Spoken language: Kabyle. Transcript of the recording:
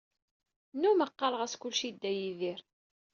Nnumeɣ qareɣ-as kullec i Dda Yidir.